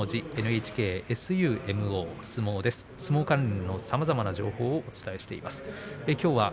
相撲関連のさまざまな情報をお伝えしています。